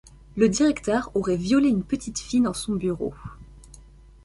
Le directeur aurait violé une petite fille dans son bureau.